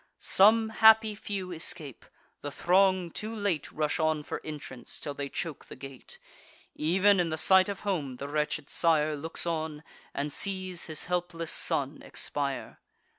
Some happy few escape: the throng too late Rush on for entrance, till they choke the gate. Ev'n in the sight of home, the wretched sire Looks on, and sees his helpless son expire.